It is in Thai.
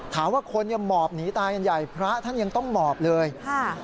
ถามว่าคนเนี่ยหมอบหนีตายกันใหญ่พระท่านยังต้องหมอบเลยค่ะ